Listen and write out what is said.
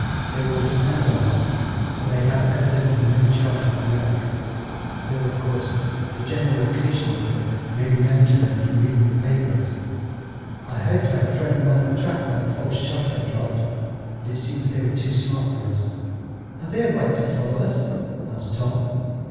"They will depend on us, for they have evidently no chart of the wreck, though of course the general location of it may be known to them from reading the papers. I hoped I had thrown them off the track by the false chart I dropped, but it seems they were too smart for us." "Have they a right to follow us?" asked Tom.